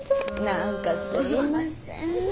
何かすいません。